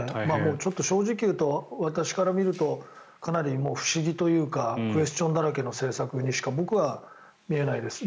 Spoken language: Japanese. ちょっと正直言うと私から見るとかなり不思議というかクエスチョンだらけの政策にしか僕は見えないです。